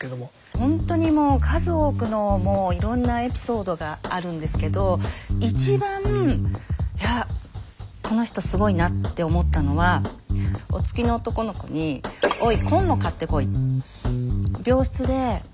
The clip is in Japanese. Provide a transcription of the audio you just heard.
ほんとにもう数多くのいろんなエピソードがあるんですけど一番いやこの人すごいなって思ったのはお付きの男の子にえ？